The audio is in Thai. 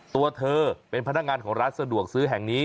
ตัวเธอเป็นพนักงานของร้านสะดวกซื้อแห่งนี้